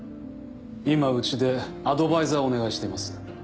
今うちでアドバイザーをお願いしています。